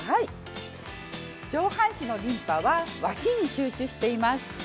上半身のリンパはわきに集中しています。